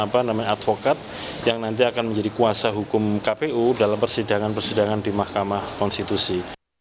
apa namanya advokat yang nanti akan menjadi kuasa hukum kpu dalam persidangan persidangan di mahkamah konstitusi